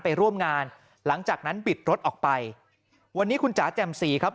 ไปร่วมงานหลังจากนั้นบิดรถออกไปวันนี้คุณจ๋าแจ่มสีครับ